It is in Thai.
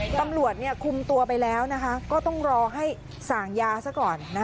ตำรวจคุมตัวไปแล้วก็ต้องรอให้สั่งยาซะก่อน